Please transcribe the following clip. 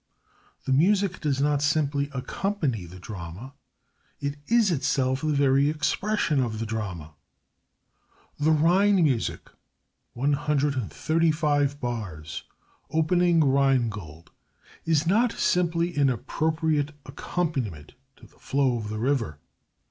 The music does not simply accompany the drama it is itself the very expression of the drama. The Rhine music, 135 bars, opening Rheingold, is not simply an appropriate accompaniment to the flow of the river.